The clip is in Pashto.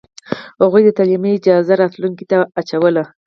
هغوی د تعلیم اجازه راتلونکې ته اچوله.